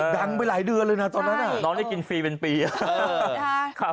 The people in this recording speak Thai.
ดังไปหลายเดือนเลยน่ะตอนนั้นอ่ะน้องได้กินฟรีเป็นปีช่วยนะคะ